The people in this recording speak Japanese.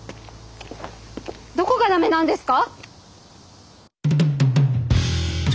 どこが駄目なんですか？